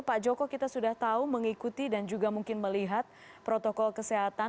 pak joko kita sudah tahu mengikuti dan juga mungkin melihat protokol kesehatan